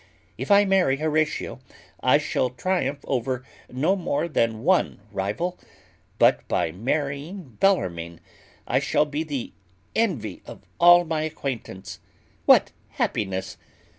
If I marry Horatio, I shall triumph over no more than one rival; but by marrying Bellarmine, I shall be the envy of all my acquaintance. What happiness!